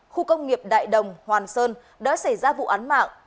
khu công nghiệp đại đồng hoàn sơn đã xảy ra vụ án mạng